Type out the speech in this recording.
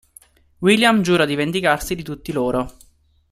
William giura di vendicarsi di tutti loro.